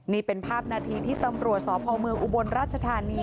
นี่เป็นภาพนาทีที่ตำรวจสพเมืองอุบลราชธานี